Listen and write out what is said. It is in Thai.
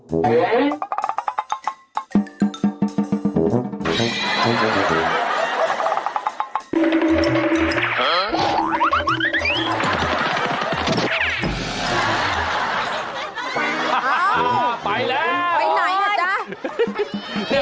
ไปแล้วเฮ่ยโอ๊ยไปไหนเหรอจ๊ะ